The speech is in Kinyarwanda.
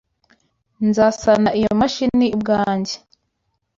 Nzasana iyo mashini ubwanjye.